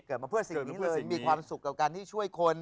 เกิดมาเพื่อสิ่งนี้เลยมีความสุขกับการที่ช่วยคน